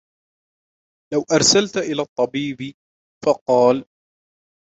لَوْ أَرْسَلْت إلَى الطَّبِيبِ ؟ فَقَالَ